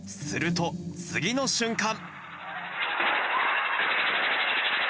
すると次の瞬間。